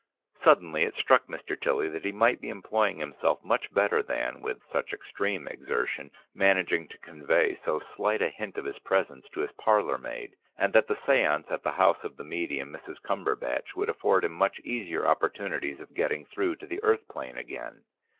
Suddenly it struck Mr. Tilly that he might be employing himself much better than, with such extreme exertion, managing to convey so slight a hint of his presence to his parlour maid, and that the séance at the house of the medium, Mrs. Cumberbatch, would afford him much easier opportunities of getting through to the earth plane again.